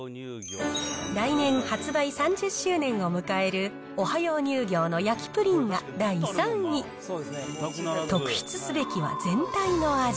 来年発売３０周年を迎える、オハヨー乳業の焼きプリンが第３位。特筆すべきは全体の味。